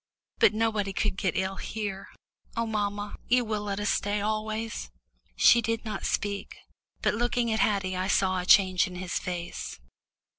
But nobody could get ill here. Oh, mamma, you will let us stay always." She did not speak, but looking at Haddie I saw a change in his face.